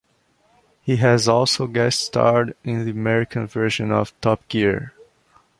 He has also guest-starred in the American version of "Top Gear".